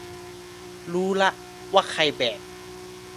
รู้ละว่าใครแบก